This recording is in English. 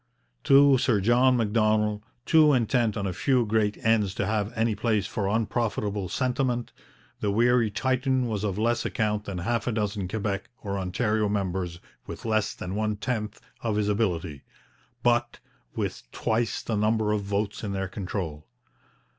To Sir John Macdonald, too intent on a few great ends to have any place for unprofitable sentiment, the weary Titan was of less account than half a dozen Quebec or Ontario members with less than one tenth of his ability, but with twice the number of votes in their control.